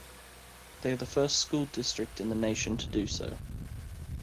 They are the first school district in the nation to do so.